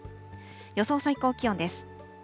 予想最高気温です。